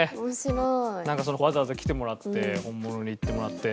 なんかわざわざ来てもらって本物に言ってもらって。